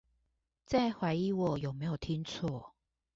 在懷疑我有沒有聽錯